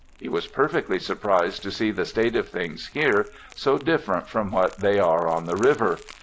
He was perfectly surprised to see the state of things here, so different from what they are on the river.